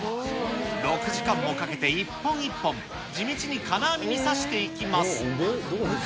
６時間もかけて、一本一本、地道に金網に刺していきます。